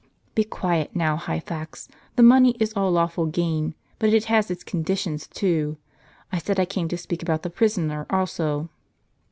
" Be quiet now, Hyphax ; the money is all lawful gain ; but it has its conditions, too. I said I came to speak about the prisoner also."